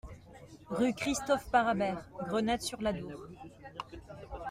Rue Christophe Parabère, Grenade-sur-l'Adour